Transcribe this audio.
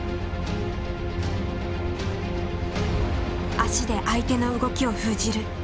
足で相手の動きを封じる。